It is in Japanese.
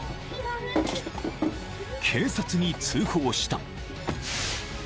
［警察に通報した］